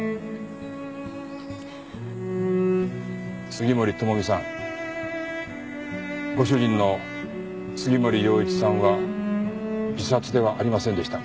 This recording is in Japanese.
杉森知美さんご主人の杉森陽一さんは自殺ではありませんでした。